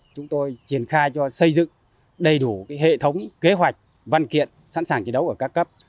chúng tôi triển khai cho xây dựng đầy đủ hệ thống kế hoạch văn kiện sẵn sàng chiến đấu ở các cấp